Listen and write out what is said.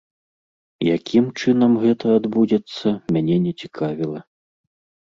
Якім чынам гэта адбудзецца, мяне не цікавіла.